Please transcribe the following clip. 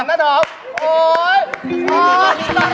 กำลังนี่ร่อนทั้ง